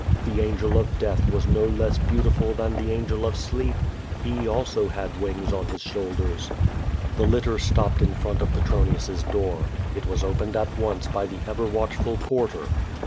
The angel of death was no less beautiful than the angel of sleep. He also had wings on his shoulders. The litter stopped in front of Petronius's door. It was opened at once by the ever watchful porter.